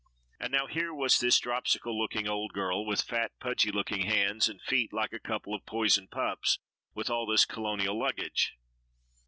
And now here was this dropsical looking old girl, with fat, pudgy looking hands and feet like a couple of poisoned pups, with all this colonial luggage.